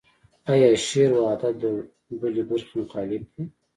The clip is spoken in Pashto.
ایا شعر و ادب د بلې برخې مخالف دی.